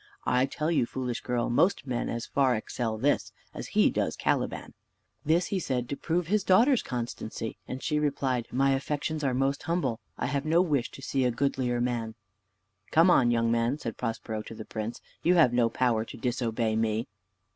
I tell you, foolish girl, most men as far excel this, as he does Caliban." This he said to prove his daughter's constancy; and she replied, "My affections are most humble. I have no wish to see a goodlier man." "Come on, young man," said Prospero to the prince; "you have no power to disobey me."